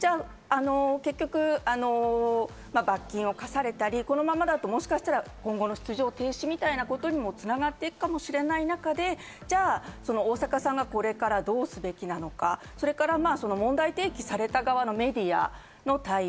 結局、罰金を科されたり、もしかしたら今後の出場停止にも繋がっていくかもしれない中でじゃあ大坂さんがこれからどうすべきなのか、そして問題提起された側のメディアの対応。